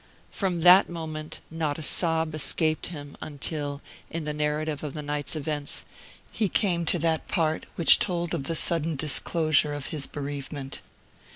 From that moment not a sob escaped him until, in the narrative of the night's events, he came to that part which told of the sudden disclosure of his bereavement.